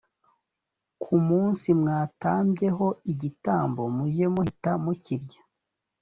ku munsi mwatambyeho igitambo mujye muhita mukirya